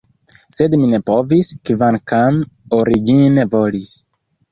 Sed mi ne povis, kvankam origine volis.